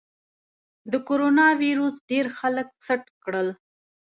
د کرونا ویروس ډېر خلک سټ کړل.